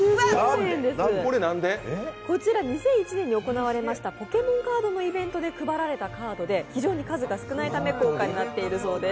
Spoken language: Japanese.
こちら２００１年に行われましたポケモンカードのイベントで配られたカードで非常に数が少ないため、高価になっているそうです。